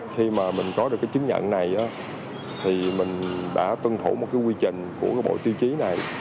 khi mà mình có được cái chứng nhận này thì mình đã tuân thủ một cái quy trình của cái bộ tiêu chí này